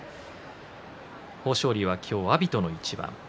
豊昇龍は今日は阿炎との一番。